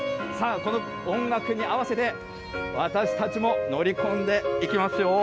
さあ、この音楽に合わせて、私たちも乗り込んでいきますよ。